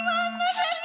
apalagi ber ellin